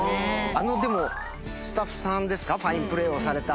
あのでもスタッフさんですかファインプレーをされた。